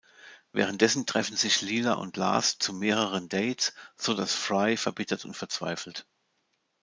Währenddessen treffen sich Leela und Lars zu mehreren Dates, sodass Fry verbittert und verzweifelt.